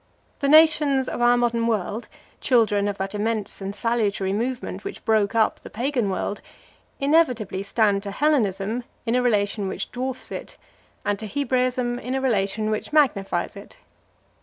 The nations of our modern world, children of that immense and salutary movement which broke up the Pagan world, inevitably stand to Hellenism in a relation which dwarfs it, and to Hebraism in a relation which magnifies it.